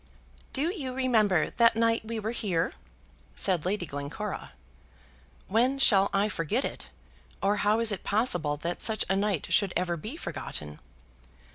"Do you remember that night we were here?" said Lady Glencora. "When shall I forget it; or how is it possible that such a night should ever be forgotten?"